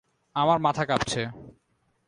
আমার মাথা কাঁপছে।